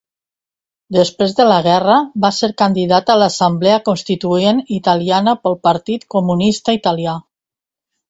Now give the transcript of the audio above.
Després de la guerra va ser candidata a l'Assemblea Constituent italiana pel Partit Comunista Italià.